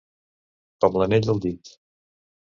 Com l'anell al dit.